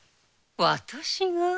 私が。